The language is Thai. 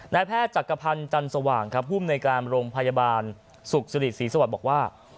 นายแพทย์จักรพรรณจันทร์สว่างครับหุ้มในการโรงพยาบาลศุกร์ศรีสวัสตร์บอกว่า